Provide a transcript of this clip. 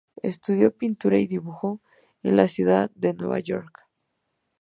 Estudió pintura y dibujo en la ciudad de Nueva York.